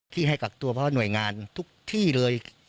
ที่ให้กักตัวเพราะว่าหน่วยงานทุกที่เลย